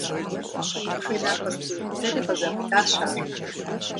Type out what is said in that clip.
И нэр къыстриубыдэри къызэплъащ ар.